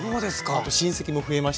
あと親戚も増えましたし。